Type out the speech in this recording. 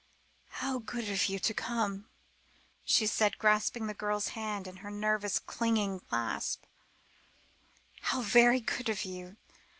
"How good of you to come," she said, grasping the girl's hand in a nervous, clinging clasp; "how very good of you.